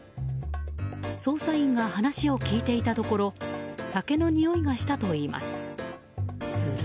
捜査員が話を聞いていたところ酒のにおいがしたといいます。